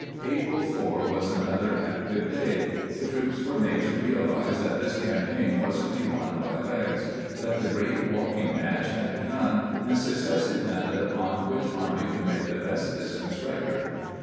April 4 was another active day ; the troops were made to realize that this campaign was to be won by legs; that the great walking match had begun, and success depended upon which army could make the best distance record.